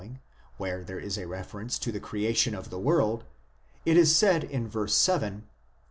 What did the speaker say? where there is a reference to the creation of the world, it is said in verse 7, "...